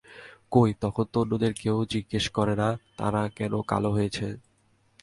কই তখন তো অন্যদের কেউ জিজ্ঞেস করে না তাঁরা কেন কালো হয়েছে।